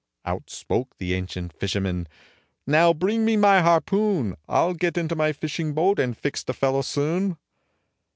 Out spoke the ancient fisherman, "Now bring me my harpoon! I'll get into my fishing boat, and fix the fellow soon."